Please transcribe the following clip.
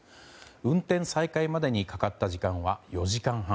運転再開までにかかった時間は４時間半。